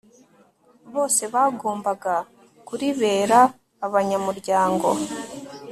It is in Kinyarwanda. bose bagombaga kuribera abanyamuryango